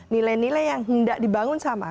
nilai nilai yang hendak dibangun sama